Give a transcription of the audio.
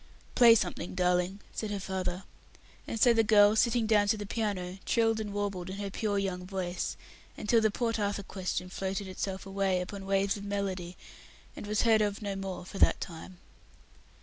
"Play something, darling," said her father; and so the girl, sitting down to the piano, trilled and warbled in her pure young voice, until the Port Arthur question floated itself away upon waves of melody, and was heard of no more for that time.